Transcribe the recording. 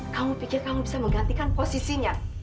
kamu pikir kamu bisa menggantikan posisinya